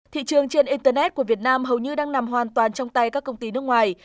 thị trường trên internet của việt nam hầu như đang nằm hoàn toàn trong tay các công ty nước ngoài